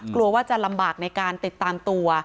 กลัวว่าจะลำบากในการติดตามตัว